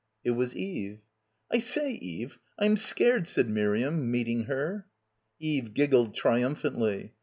It was Eve. "I say, Eve, Pm scared" said Miriam, meeting her. Eve giggled triumphantly.